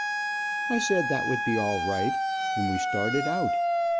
I said that would be all right, and we started out.